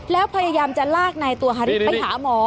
แล้วพยายามจะลากนายตัวฮาริสไปหาหมอ